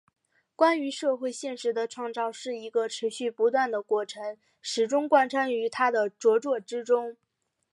关于社会现实的创造是一个持续不断的过程始终贯穿于他的着作之中。